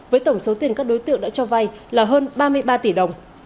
với tổng số tiền các đối tượng đã cho vay là hơn ba mươi ba tỷ đồng